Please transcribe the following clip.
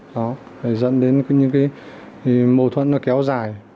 đó dẫn đến những cái mâu thuẫn kéo dài